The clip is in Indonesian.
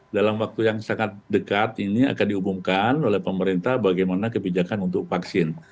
dalam waktu yang sangat dekat ini akan diumumkan oleh pemerintah bagaimana kebijakan untuk vaksin